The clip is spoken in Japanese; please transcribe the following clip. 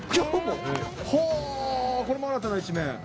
ほー、これも新たな一面。